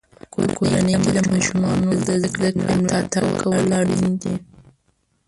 په کورنۍ کې د ماشومانو د زده کړې ملاتړ کول اړین دی.